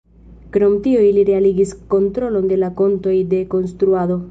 Krom tio ili realigis kontrolon de la kontoj de konstruado.